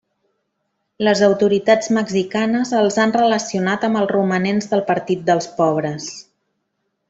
Les autoritats mexicanes els han relacionat amb els romanents del Partit dels Pobres.